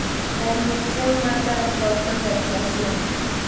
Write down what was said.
La dirección marca las pautas de actuación.